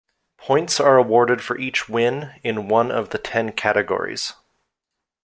Points are awarded for each win in one of the ten categories.